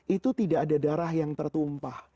itu tidak ada darah yang tertumpah